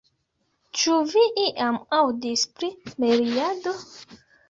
Ĉu vi iam aŭdis pri miriado?